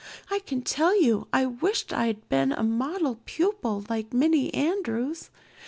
I can tell you I wished I'd been a model pupil like Minnie Andrews.